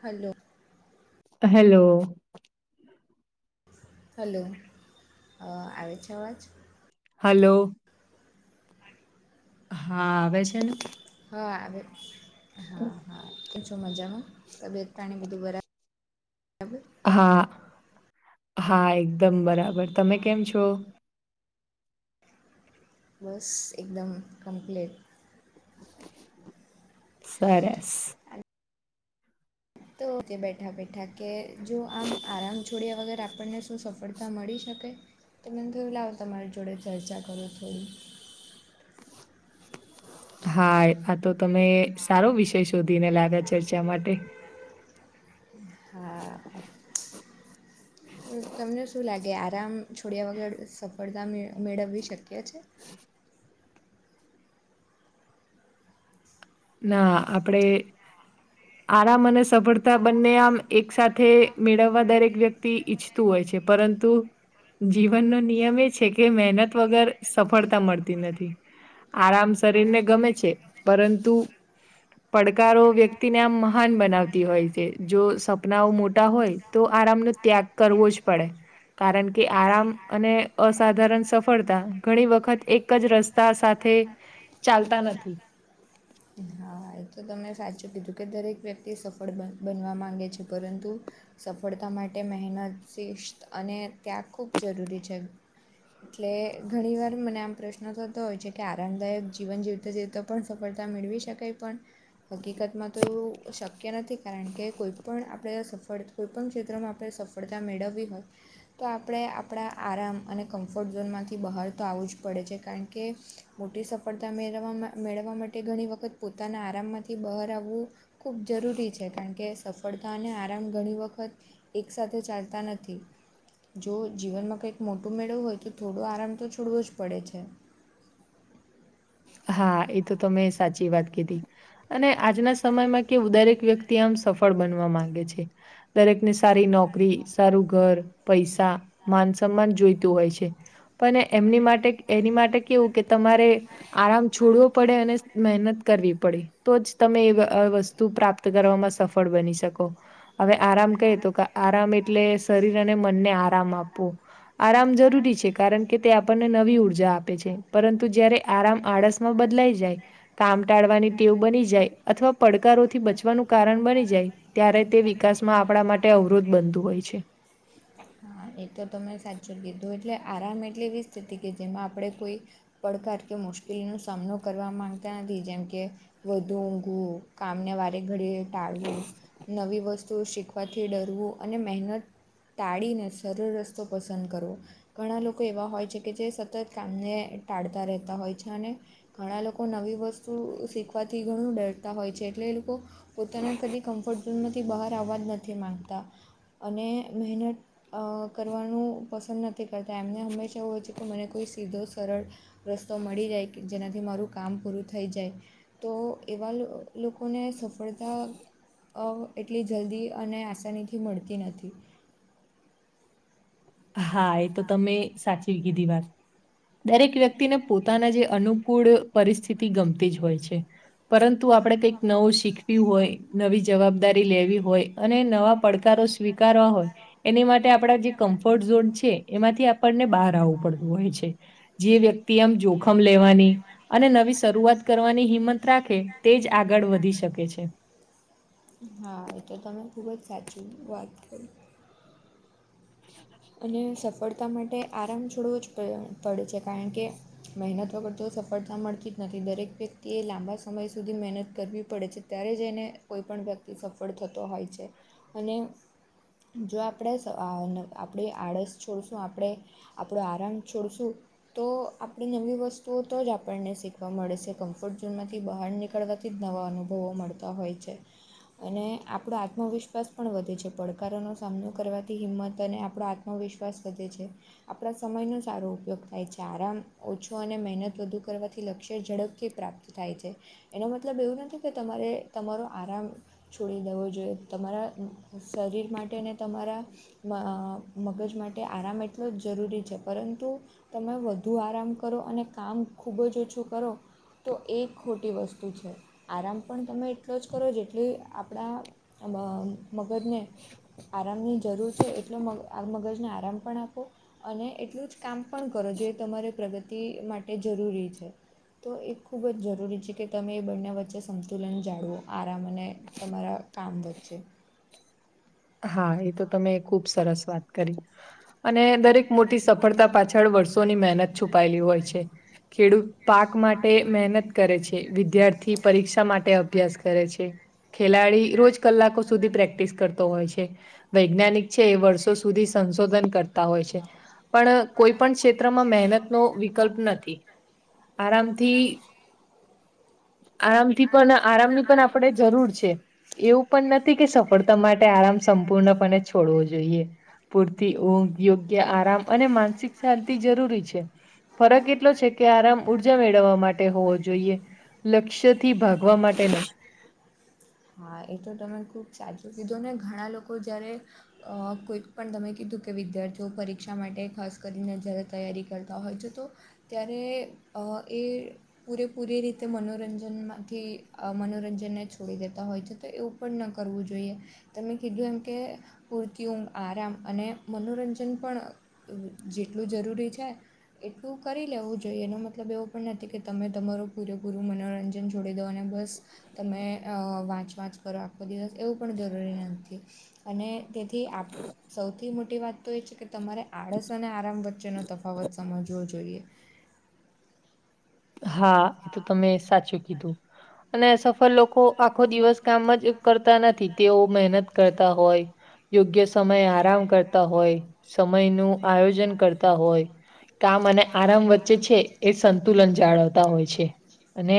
Hello. Hello. Hello, અ આવે છે અવાજ? હલો. હા આવે છે ને. હા આવે હા હા કેમ છું મજામાં તબિયત પાણી બધું બરાબ હા હા, એકદમ બરાબર તમે કેમ છો? બસ એકદમ કમ્પ્લીટ. સરસ. તો તે બેઠાં-બેઠાં કે જો આમ આરામ છોડ્યા વગર આપણને શું સફળ તા મળી શકે? તો મન તો લાવ તમારી જોડે ચર્ચા કરો થોડી. [inaudible] હા આ તો તમે સારો વિષય શોધીને લાવ્યા ચર્ચા માટે. હા. [unintelligible] તમને શું લાગે આરામ છોડ્યા વગર સફળતા મે મેળવવી શક્ય છે. [inaudible] ના આપડે. [inaudible] આરામ અને સફળતા બંને આમ એક સાથે મેળવવા દરેક વ્યક્તિ ઈચ્છ, તું હોય છે પરંતુ, જીવનનો નિયમ એ છે કે મહેનત વગર સફળતા મળતી નથી. આરામ શરીરને ગમે છે. પરંતુ, [inaudible] પડકારો વ્યક્તિને આમ મહાન બનાવતી હોય છે જો સપનાઓ મોટા હોય. તો આરામનો ત્યાગ કરવો જ પડે. કારણ કે આરામ અને અસાધારણ સફળતા ઘણી વખત એક જ રસ્ તા સાથે ચાલતા નથી. ઈ હા. ભાઈ તો તમે સાચું કીધું કે દરેક વ્યક્તિ સફળ બ બનવા માંગે છે. પરંતુ, સફળતા માટે મહેનત શિસ્ત અને ત્યાગ ખૂબ જરૂરી છે. એટલે ઘણી વાર મને આમ પ્રશ્ન પ્રશ્નો થતો હોય છે કે આરામદાયક જીવન જીવતા જીવતા પણ સફળતા મેળવી શકાય. પણ, હકીકતમાં તો એવું શક્ય નથી. કારણ કે કોઈપણ આપણે સફળ કોઈપણ ક્ષેત્રમાં આપણે સફળતા મેળવવી હોય. તો આપણે આપણા આરામ અને કમ્ફર્ટ ઝોનમાંથી બહારતો આવવું જ પડે છે. કારણ કે, મોટી સફળતા મેળ મેળવવા માટે ઘણી વખત પોતાના આરામમાંથી બહાર આવવું ખૂબ જરૂરી છે. કારણ કે સફ ફળતા અને આરામ ઘણી વખત એક સાથે ચાલતા નથી. જો જીવનમાં કંઈક મોટું મેળવવુ હોય તો થોડો આરામ તો છોડવો જ પડે છે. હા એ તો તમે સાચી વાત કીધી. અને આજના સમયમાં કેવુ દરેક વ્યક્તિ આમ સફળ બનવા માંગે છે. દરેકને સારી નોકરી, સારું ઘર, પૈસા, તા માન સન્માન જોઈતું હોય છે. પણ એમની માટે એની માટે કેવું કે તમારે આરામ છોડવો પડે અને મહેનત. કરવી પડે તો જ તમે એવ અ વસ્તુ પ્રાપ્ત કરવામાં સફળ બની શકો. અવે આરામ કહે તો ક આરામ એટલે શરીર અને મનને આરામ આપવો. આરામ જરૂરી છે કારણ કે તે આપણને નવી ઉર્જા આપે છે પરંતુ જ્યારે આરામ આળસમાં બદલાઈ જાય, કામ ટાળવાની ટેવ બની જાય અથવા પડકારોથી બચવાનું કારણ બની જાય. ત્યારે તે વિકાસમાં આપડા માટે અવરોધ બનતું હોય છે. હા એ તો તમે સાચું કીધું, એટલે આરામ એટલે કે સ્થિતિ કે જેમાં આપડે કોઈ પડકાર કે મુશ્કિલનો સામનો કરવા માગતા નથી. જેમકે, વધુ ઉંઘવું કામને વારી ઘડીયે ટાળવું નવી વસ્તુઓ શીખવાથી ડરવું, અને મહેનત ટાળી ન શ [unintelligible] રો રસ્તો પસંદ કરવો. ઘણા લોકો એવા હોય છે કે જે સતત કામને ટાળતા રહેતા હોય છે. અને, ઘણા લોકો નવી વસ્તુ શીખવાથી ઘણું ડરતા હોય છે. એટલે એ લોકો પોતાના કદી કમ્ફર્ટ ઝોનમાંથી બહાર આવવા જ નથી માગતા અને મહેનત અ કરવાનું પસંદ ન નથી કરતા. એમને હંમેશા એવું હોય છે કે મને સીધો સરળ રસ્તો મળી જાય કે જેનાથી મારું કામ પૂરું થઈ જાય. તો એવા લ લોકોને સફળતા અ એટલી જલ્દી અને આસાનીથી મળતી નથી. હા એ તો તમે સાચીવી કીધી વાત. દરેક વ્યક્તિને પોતાના જે અનુ કૂળ પરિસ્થિતિ ગમતી જ હોય છે. પરંતુ આપણે કઈક નવું શીખ વું હોય, નવી જવાબદારી લેવી હોય અને નવા પડકારો સ્વીકારવા હોય, એની માટે આપ જે કમ્ફર્ટ જોન છે એમાંથી આપણને બહાર આવવું પડતું હોય છે. જે વ્યક્તિ આમ જોખ ખમ લેવાની અને નવી શરૂઆત કરવાની હિંમત રાખે તે જ આગળ વધી શકે છે. હા એ તો તમે ખૂબ જ સાચું વાત કરી. હ [inaudible] અને સફળતા માટે આરામ છોડવો જ પ પડે છે, કારણ કે મહેનત વગર તો સફળતા મળતી જ નથી. દરેક વ્યક્તિએ લાંબા સમય સુધી મહેનત કરવી પડે છે ત્યારે જઈને કોઈ પણ વ્યક્તિ સફળ થતો હોય છે. અને જો આપણે સ આપણી આળસ છોડશું આપણે આપડો આરામ છોડશું તો આપણે નવી વસ્તુઓ તો જ આપણને શીખવા મળે છે. કમ્ફર્ટ ઝોન માંથી બહાર નીકળ કળવાથી જ નવા અનુભવો મળતા હોય છે. અને આપણો આત્મવિશ્વાસ પણ વધે છે. પડકારોનો સામનો કરવાથી હિંમત ત અને આપણો આત્મવિશ્વાસ વધે છે. આપણા સમયનો સારો ઉપયોગ થાય છે. આરામ ઓછો અને મહેનત વધુ કરવાથી લક્ષ્ય ઝડપથી પ્રાપ્ત થાય છે. એનો મતલબ એવું નથી કે તમારે તમારો આરામ છોડી દેવો જોઈએ. તમારા શરીર માટે ને તમારા મ મગજ માટે આરામ એટલો જ જરૂરી છે. પરંતુ તમે વધુ આરામ કરો, અને કામ ખૂબ જ ઓછું કરો તો એ ખોટી વસ્તુ છે. આરામ પણ તમે એટલો જ કરો જેટલી આપણા આ મ મગજને આરામની જરૂર છે એટલે મગ આ મગજને આરામ પણ આપો અને એટલું જ કામ પણ કરો, જે તમારે પ્રગતિ માટે જરૂરી છે. તો એ ખૂબ જ જરૂરી છે કે તમે એ બંને વચ્ચે સંતુલન જાળવો. આરામ અને તમારા કામ વચ્ચે. હા એ તો તમે ખૂબ સરસ વાત કરી. અને દરેક મોટી સફળતા પાછળ વર્ષોની મહેનત છુપાયેલી હોય છે‌. ખેડૂત પાક માટે મહેનત કરે છે. વિદ્યાર્થી પરીક્ષા માટે અભ્યાસ કરે છે. ખેલાડી રોજ કલાકો સુધી પ્રેક્ટિસ કરતો હોય છે. વૈજ્ઞાનિક છે એ વર્ષો સુધી સંશોધન કરતા હોય છે. પણ કોઈ પણ ક્ષેત્રમાં મહેનતનો વિકલ્પ નથી. આરામથી, આરામથી પણ આરામની પણ આપણે જરૂર છે. એવું પણ નથી કે સફળતા માટે ટે આરામ સંપૂર્ણપણે છોડવો જોઈએ. પૂરતી ઊંઘ યોગ્ય આરામ અને માનસિક શાંતિ જરૂરી છે. ફરક એટલો છે કે આરામ ઉર્જા મેળવવા માટે હોવો જોઈએ. લક્ષ્યથી ભાગવા માટે નઈ. હા એ તો તમે ખૂબ સાચું કીધું, ને ઘણા લોકો જયારે અ, કોઈક પણ તમે કીધું કે વિદ્યાર્થીઓ પરીક્ષા માટે ખાસ કરીને જ્યારે તૈયારી કરતા હોય છે, તો ત્યારે અહ એ પૂરેપૂરી રીતે મનોરંજન માંથી, અહ મનોરંજનને છોડી દે અ.. છતાં એવું પણ ન કરવું જોઈએ. તમે કીધું એમ કે પૂરતી ઊંઘ આરામ અને મનોરંજન પણ જેટલું જરૂરી છે. એટલું કરી લેવું જોઈએ, એનો મતલબ એવો પણ નથી કે તમે તમારું પૂરેપૂરું મનોરંજન છોડી દો અને બસ તમે અ વાંચ-વાંચ કરો આખો દિવસ, એવું પણ જરૂરી નથી અને તેથી આપ સૌથી મોટી વાત તો એ છે કે, તમારે આળસ અને આરામ વચ્ચેનો તફાવત સમજવો જોઈએ. હા, એ તો તમે સાચું કીધું અને સફળ લોકો આખો દિવસ કામ જ કરતા નથી, તેઓ મહેનત કરતા હોય, યોગ્ય સમયે આરામ કરતા હોય, સમયનું આયોજન કરતા હોય, કામ અને આરામ વચ્ચે છે એ સંતુલન જાળવતા હોય છે. અને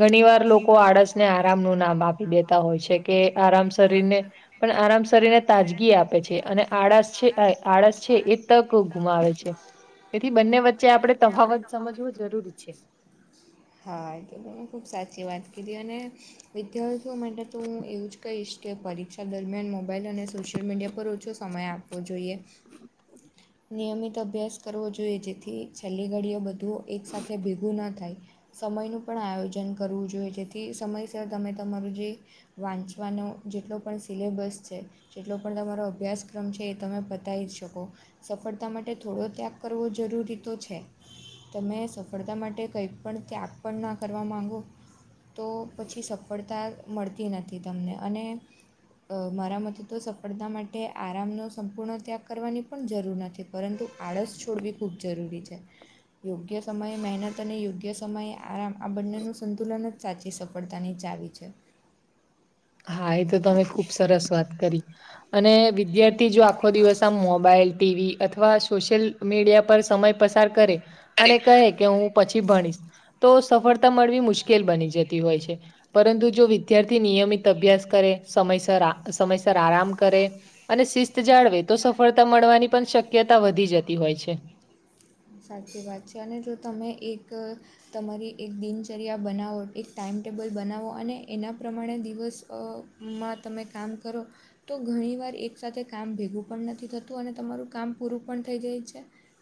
ઘણી વાર લોકો આળસને આરામનું નામ આપી દેતા હોય છે કે, આરામ શરીરને પણ આરામ શરીરને તાજગી આપે છે અને આળસ છે અ આળસ છે એ તક ગુમાવે છે. તેથી બંને વચ્ચે આપણે તફાવત સમજવું જરૂરી છે. હા, એ તો તમે ખૂબ સાચી વાત કીધી અને વિદ્યાર્થીઓ માટે તો હું એવું જ કહીશ કે પરીક્ષા દરમિયાન મોબાઈલ અને સોશિયલ મીડિયા પર ઓછો સમય આપવો જોઈએ. નિયમિત અભ્યાસ કરવો જોઈએ, જેથી છેલ્લી ઘડીઓ બધું એક સાથે ભેગું ન થાય. સમયનું પણ આયોજન કરવું જોઈએ, જેથી સમયસર તમે તમારું જે વાંચવાનો જેટલો પણ સિલેબસ છે. જેટલો પણ તમારો અભ્યાસક્રમ છે, એ તમે પતાઈ શકો. સફળતા માટે થોડો ત્યાગ કરવો જરૂરી તો છે. તમે સફળતા માટે કંઈ પણ ત્યાગ પણ ના કરવા માંગો તો પછી સફળતા મળતી નથી તમને અને અ, મારા મતે તો સફળતા માટે આરામનો સંપૂર્ણ ત્યાગ કરવાની પણ જરૂર નથી. પરંતુ આળસ છોડવી ખૂબ જરૂરી છે, યોગ્ય સમયે મહેનત અને યોગ્ય સમયે આરામ, આ બંનેનું સંતુલન જ સાચી સફળતાની ચાવી છે. હા, એ તો તમે ખુબ સરસ વાત કરી. અને વિદ્યાર્થી જો આખો દિવસ આ મોબાઈલ, ટીવી અથવા સોશિયલ મીડિયા પર સમય પસાર કરે અને કહે કે હું પછી ભણીશ તો સફળતા મળવી મુશ્કેલ બની જતી હોય છે, પરંતુ જો વિદ્યાર્થી નિયમિત અભ્યાસ કરે, સમયસર આ સમયસર આરામ કરે. અને શિસ્ત જાળવે તો સફળતા મળવાની પણ શક્યતા વધી જતી હોય છે. સાચી વાત છે અને જો તમે એક તમારી એક દિનચર્યા બનાવો, એક ટાઈમટેબલ બનાવો અને એના પ્રમાણે દિવસ અ માં તમે કામ કરો. તો ઘણી વાર એક સાથે કામ ભેગું પણ નથી થતું અને તમારું કામ પૂરું પણ થઈ જાય છે.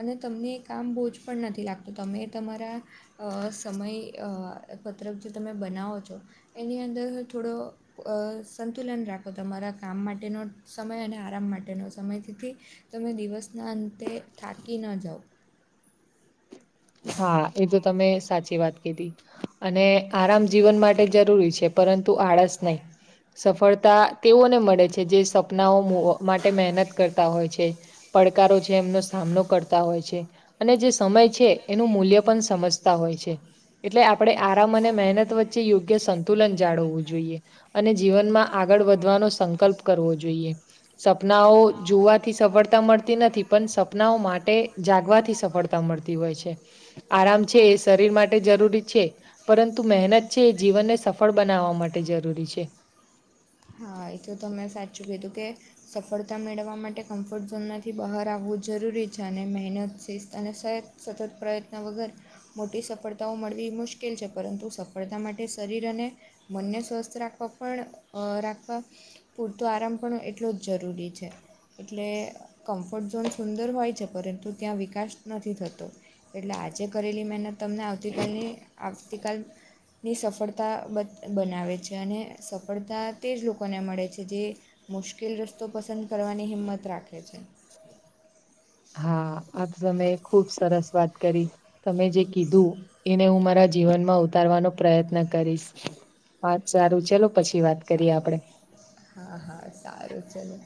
અને તમને એ કામ બોજ પણ નથી લાગતું, તમે તમારા અ સમય, અ પત્રક જે તમે બનાવો છો, એની અંદર થોડો અ, સંતુલન રાખો તમારા કામ માટેનો સમય અને આરામ માટેનો સમય તેથી તમે દિવસના અંતે થાકી ન જાઓ. હા એ તો તમે સાચી વાત કીધી. અને આરામ જીવન માટે જરૂરી છે પરંતુ આળસ નય. સફળતા તેઓને મળે છે જે સપનાઓ મો માટે મહેનત કરતા હોય છે. પડકારો છે એમનો સામનો કરતા હોય છે અને જે સમય છે. એનું મૂલ્ય પણ સમજતા હોય છે. એટલે આપડે આરામ અને મહેનત વચ્ચે યોગ્ય સંતુલન જાળવવું જોઈએ. અને જીવનમાં આગળ વધવાનો સંકલ્પ કરવો જોઈએ. સપનાઓ જોવાથી સફળતા મળતી નથી. પણ સપનાઓ માટે જાગવાથી સફળ તા મળતી હોય છે. આરામ છે, એ શરીર માટે જરૂરી છે. પરંતુ મહેનત છે ઈ જીવનને સફળ બનાવવા માટે જરૂરી છે. હા એ તો તમે સાચું કીધું કે, સફળતા મેળવવા માટે કમ્ફર્ટ ઝોનમાંથી બહાર આવવું જરૂરી છે અને મહેનત શિસ્ત અને સ, સતત પ્રયત્ન વગર, મોટી સફળતાઓ મળવી મુશ્કેલ છે. પરંતુ સફળતા માટે શરીર અને, મનને સ્વસ્થ રાખવા પણ અ રાખવા, પૂરતો આરામ પણ એટલો જ જરૂરી છે. એટલે કમ્ફર્ટ ઝોન સુંદર હોય છે. પરંતુ ત્યાં વિકાસ નથી થતો. એટલે આજે કરેલી મહેનત તમને આવતીકાલની આવતીકાલ, ની સફળતા બત બનાવે છે, અને સફળતા તે જ લોકો, લોકોને મળે છે જે મુશ્કેલ રસ્તો પસંદ કરવાની હિંમત રાખે છે. હા આત તો તમે ખુબ સરસ વાત કરી. તમે જે કીધું એને હું મારા જીવનમાં ઉતારવાનો પ્રયત્ન કરીશ. હાત સારું ચલો પછી વાત કરીએ આપડે. હા હા સારું ચલો.